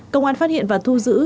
công an phát hiện và thu giữ